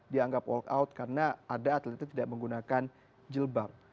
dianggap walk out karena ada atlet itu tidak menggunakan jilbab